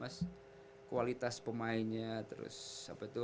mas kualitas pemainnya terus apa itu